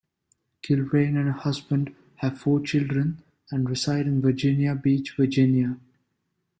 Kilrain and her husband have four children, and reside in Virginia Beach, Virginia.